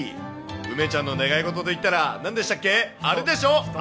梅ちゃんの願い事といったらなんでしたっけ？